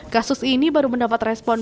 kasus ini baru mendapat respon